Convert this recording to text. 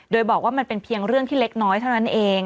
โดยบอกว่ามันเป็นเพียงเรื่องที่เล็กน้อยเท่านั้นเอง